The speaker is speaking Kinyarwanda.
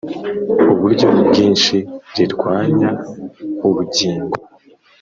uburyo bwinshi rirwanya ubugingo